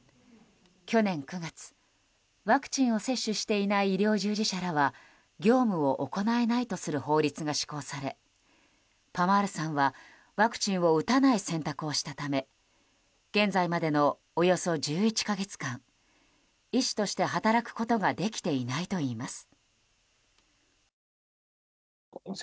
去年９月、ワクチンを接種していない医療従事者らは業務を行えないとする法律が施行されパマールさんはワクチンを打たない選択をしたため現在までのおよそ１１か月間医師として働くことができていないといいます。